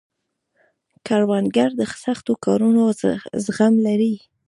کروندګر د سختو کارونو زغم لري